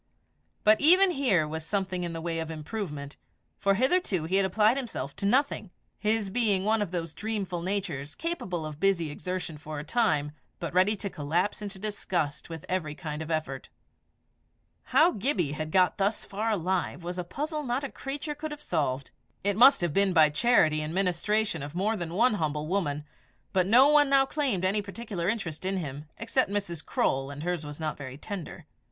But even here was something in the way of improvement, for hitherto he had applied himself to nothing, his being one of those dreamful natures capable of busy exertion for a time, but ready to collapse into disgust with every kind of effort. How Gibbie had got thus far alive was a puzzle not a creature could have solved. It must have been by charity and ministration of more than one humble woman, but no one now claimed any particular interest in him except Mrs. Croale, and hers was not very tender.